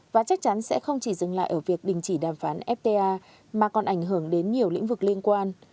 và chắc chắn sẽ không chỉ dừng lại ở việc đình chỉ đàm phán fta mà còn ảnh hưởng đến nhiều lĩnh vực liên quan